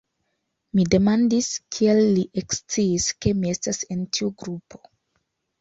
Mi demandis, kiel li eksciis, ke mi estas en tiu grupo.